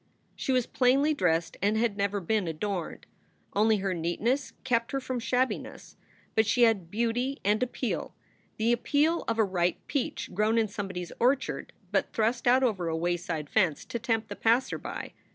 She was plainly dressed and had never been adorned. Only her neatness kept her from shabbiness. But she had beauty and appeal, the appeal of a ripe peach grown in some body s orchard but thrust out over a wayside fence to tempt the passer by.